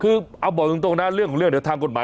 คือเอาบ่อยรุ่งตรงนะเรื่องของเรื่องด้วยทางกฎหมาย